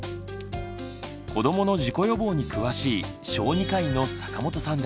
子どもの事故予防に詳しい小児科医の坂本さんです。